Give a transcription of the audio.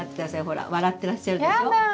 ほら笑ってらっしゃるでしょ。